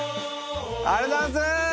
ありがとうございます！